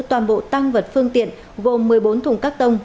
toàn bộ tang vật phương tiện gồm một mươi bốn thùng cắt tông